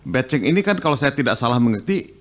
betching ini kan kalau saya tidak salah mengerti